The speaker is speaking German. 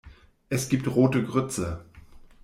Es gibt rote Grütze.